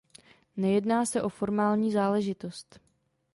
Nejedná se o formální záležitost.